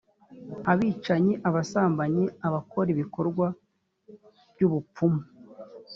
abicanyi abasambanyi abakora ibikorwa by ubupfumu